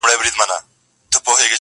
o د باز له ځالي باز پاڅېږي٫